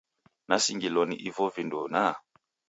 Nasingilwa ni ivo vindu naa!